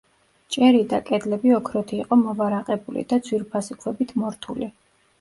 ჭერი და კედლები ოქროთი იყო მოვარაყებული და ძვირფასი ქვებით მორთული.